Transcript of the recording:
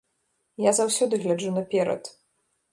Я заўсёды гляджу наперад.